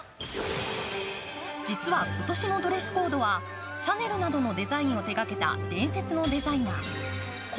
実は今年のドレスコードはシャネルなどのデザインを手がけた伝説のデザイナー故